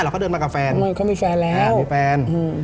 แล้วเขาเดินมากับแฟนเขามีแฟน